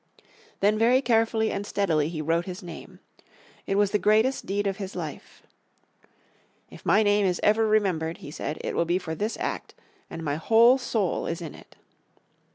Then very carefully and steadily he wrote his name. It was the greatest deed of his life. "If my name is ever remembered," he said, "it will be for this act, and my whole soul is in it."